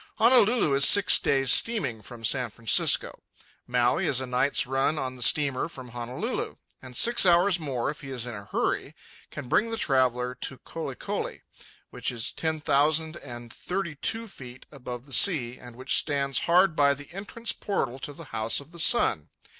Honolulu is six days' steaming from San Francisco; Maui is a night's run on the steamer from Honolulu; and six hours more if he is in a hurry, can bring the traveller to Kolikoli, which is ten thousand and thirty two feet above the sea and which stands hard by the entrance portal to the House of the Sun.